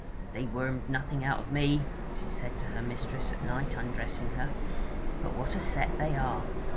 'They wormed nothing out of me,' she said to her mistress at night, undressing her. 'But what a set they are!